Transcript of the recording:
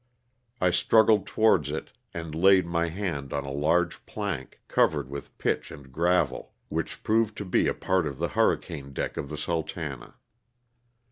I struggled towards it and laid my hand on a large plank, covered with pitch and gravel, which proved to be a part of the hurricane deck of the ^'Sultana."